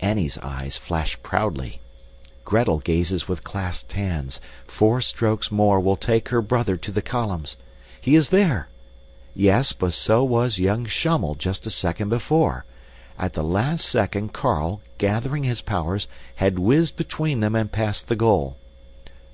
Annie's eyes flash proudly. Gretel gazes with clasped hands four strokes more will take her brother to the columns. He is there! Yes, but so was young Schummel just a second before. At the last instant Carl, gathering his powers, had whizzed between them and passed the goal.